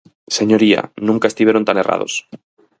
Señoría, nunca estiveron tan errados.